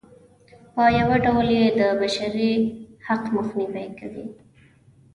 په یوه ډول یې د بشري حق مخنیوی کوي.